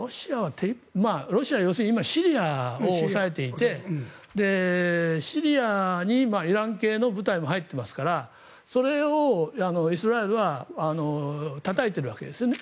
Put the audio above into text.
ロシアは要するに今、シリアを押さえていてシリアにイラン系の部隊も入っていますからそれをイスラエルはたたいているわけですよね。